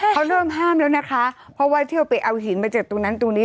เขาเริ่มห้ามแล้วนะคะเพราะว่าเที่ยวไปเอาหินมาจากตรงนั้นตรงนี้